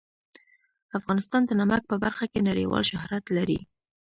افغانستان د نمک په برخه کې نړیوال شهرت لري.